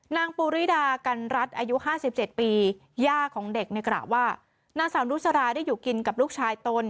นางปูริดากันรัฐอายุ๕๗ปีย่าของเด็กในกล่าวว่านางสาวนุสราได้อยู่กินกับลูกชายตน